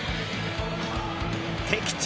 敵地